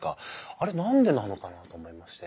あれ何でなのかなと思いまして。